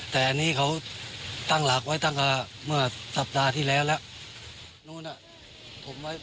แต่อันนี้เขาตั้งหลักไว้ตั้งแต่เมื่อสัปดาห์ที่แล้วแล้วนู้น